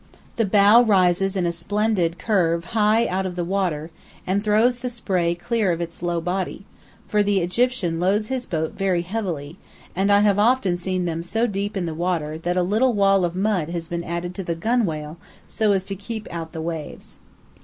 The bow rises in a splendid curve high out of the water, and throws the spray clear of its low body, for the Egyptian loads his boat very heavily, and I have often seen them so deep in the water that a little wall of mud has been added to the gunwale so as to keep out the waves.